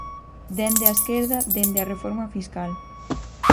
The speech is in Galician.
Dende a esquerda, dende a reforma fiscal.